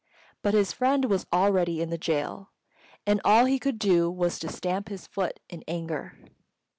But his friend was already in the gaol, and all he could do was to stamp his foot in anger.